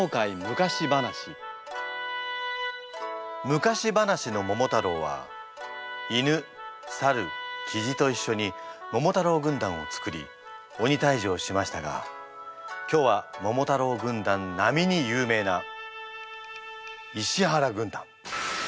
昔話の「桃太郎」は犬サルキジと一緒に桃太郎軍団を作り鬼退治をしましたが今日は桃太郎軍団なみに有名な「石原軍団」。